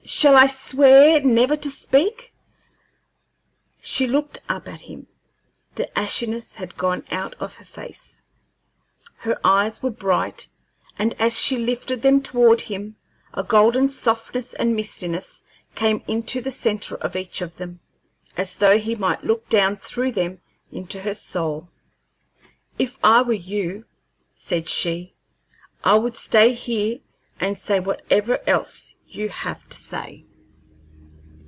Shall I swear never to speak " She looked up at him. The ashiness had gone out of her face. Her eyes were bright, and as she lifted them towards him a golden softness and mistiness came into the centre of each of them, as though he might look down through them into her soul. "If I were you," said she, "I would stay here and say whatever else you have to say."